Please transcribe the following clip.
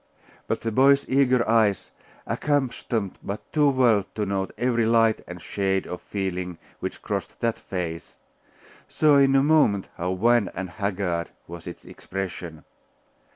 But the boy's eager eyes, accustomed but too well to note every light and shade of feeling which crossed that face, saw in a moment how wan and haggard was its expression.